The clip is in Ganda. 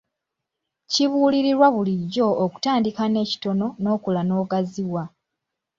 Kibuulirirwa bulijjo okutandika n'ekitono n'okula n'ogaziwa.